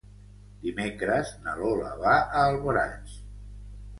Dimecres na Lola va a Alboraig.